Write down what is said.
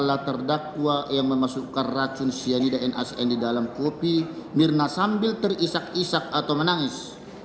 adalah terdakwa yang memasukkan racun cyanida nacn di dalam kopi mirna sambil terisak isak atau menangis